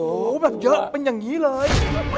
โอ้โหแบบเยอะเป็นอย่างนี้เลย